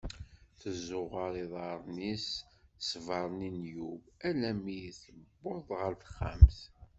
Teẓuɣer iḍaren-is s sber-nni n Yub alammi i tewweḍ ɣer texxamt.